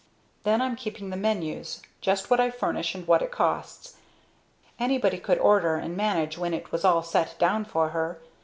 Then I'm keeping the menus just what I furnish and what it costs. Anybody could order and manage when it was all set down for her.